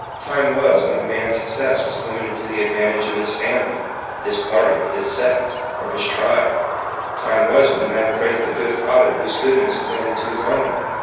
Time was when a man's success was limited to the advantage of his family, his party, his sect, or his tribe. Time was when men praised the good father whose goodness was only to his own.